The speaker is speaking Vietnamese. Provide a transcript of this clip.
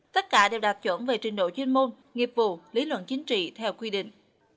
tất cả đều đạt chuẩn về trình độ chuyên môn nghiệp vụ lý luận chính trị theo quy định